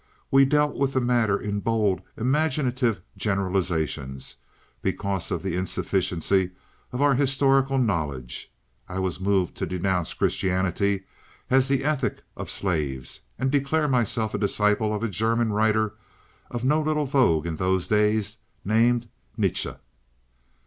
We dealt with the matter in bold, imaginative generalizations, because of the insufficiency of our historical knowledge. I was moved to denounce Christianity as the ethic of slaves, and declare myself a disciple of a German writer of no little vogue in those days, named Nietzsche.